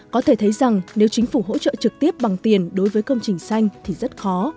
có thể thấy rằng nếu chính phủ hỗ trợ trực tiếp bằng tiền đối với công trình xanh thì rất khó